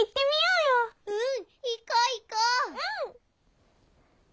うん！